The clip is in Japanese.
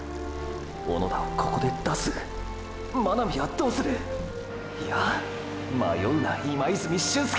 小野田をここで出す⁉真波はどうする⁉いや迷うな今泉俊輔！！